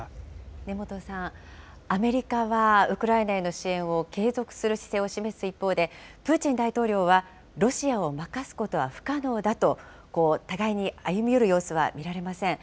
根本さん、アメリカは、ウクライナへの支援を継続する姿勢を示す一方で、プーチン大統領は、ロシアを負かすことは不可能だと、互いに歩み寄る様子は見られません。